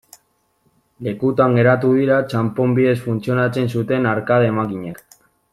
Lekutan geratu dira txanpon bidez funtzionatzen zuten arkade makinak.